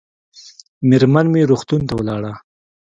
مېرمن مې روغتون ته ولاړه